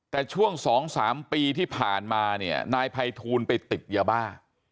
แต่ช่วง๒๓ปีที่ผ่านมาเนี่ยนายภัยทูลไปติดยาบ้า